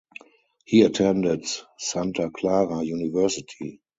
He attended Santa Clara University.